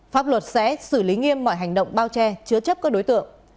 pháp luật sẽ xử lý nghiêm mọi hành động bao che chứa chấp các đối tượng